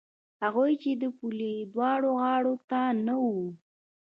هغوی چې د پولې دواړو غاړو ته نه وو.